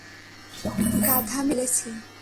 গাধামি করে ফেলেছি।